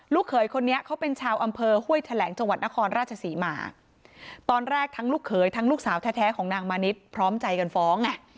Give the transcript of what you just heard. เขยคนนี้เขาเป็นชาวอำเภอห้วยแถลงจังหวัดนครราชศรีมาตอนแรกทั้งลูกเขยทั้งลูกสาวแท้ของนางมานิดพร้อมใจกันฟ้องไง